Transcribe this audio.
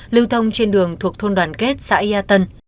lưu thông trên đường thuộc thôn đoàn kết xã yà tân